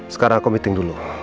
sekarang aku meeting dulu